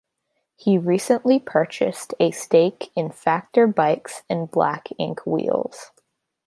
He recently purchased a stake in Factor bikes and Black Inc wheels.